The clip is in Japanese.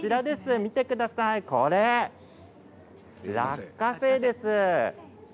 見てください、落花生です。